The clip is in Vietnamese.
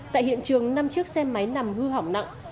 tại hiện trường năm chiếc xe máy nằm hư hỏng nặng